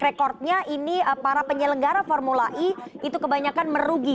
rekodnya ini para penyelenggara formula e itu kebanyakan merugi